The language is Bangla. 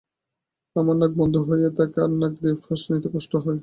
আমার নাক বন্ধ হয়ে থাকে আর নাক দিয়ে শ্বাস নিতে কষ্ট হয়।